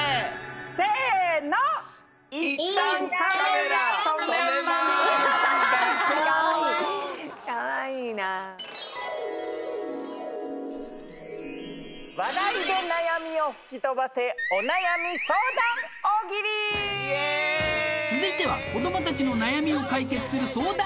せーのだコーンイエーイ続いては子どもたちの悩みを解決する相談